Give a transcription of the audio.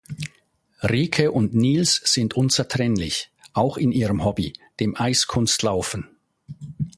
Rieke und Nils sind unzertrennlich, auch in ihrem Hobby: dem Eiskunstlaufen.